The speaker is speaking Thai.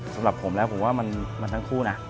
สำหรับผมแล้วผมว่ามันทั้งคู่นะ